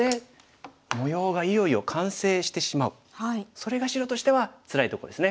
それが白としてはつらいとこですね。